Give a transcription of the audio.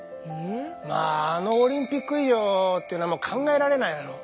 まああのオリンピック以上っていうのは考えられないの。